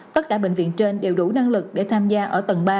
tất cả bệnh viện trên đều đủ năng lực để tham gia ở tầng ba